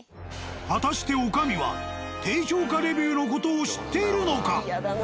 果たして女将は低評価レビューの事を知っているのか？